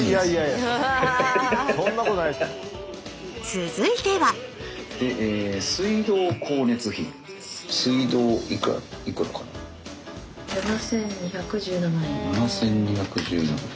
続いては７，２１７円。